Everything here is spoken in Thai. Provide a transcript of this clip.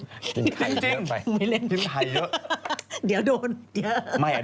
จริงคงไม่เล่นทิ้งไข่เยอะ